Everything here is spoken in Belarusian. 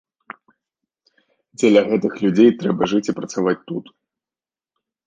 Дзеля гэтых людзей трэба жыць і працаваць тут.